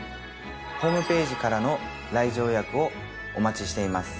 ホームページからの来場予約をお待ちしています。